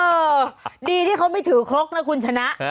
เออดีที่เขาไม่ถือครกนะคุณชนะ